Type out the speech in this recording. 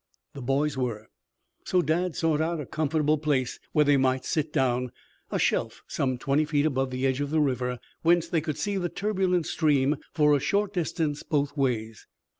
The boys were. So Dad sought out a comfortable place where they might sit down, a shelf some twenty feet above the edge of the river, whence they could see the turbulent stream for a short distance both ways.